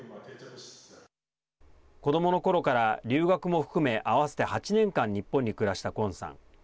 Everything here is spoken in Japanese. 子どものころから留学も含め合わせて８年間日本に暮らしたクォンさん。